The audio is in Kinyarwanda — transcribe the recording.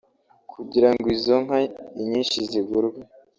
kugira ngo izo nka inyinshi zigurwe